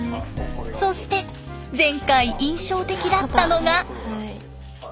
そして前回印象的だったのが。